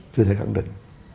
chưa thể khẳng định